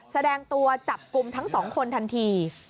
แสดงตัวจับกลุ่มทั้งสองคนทันที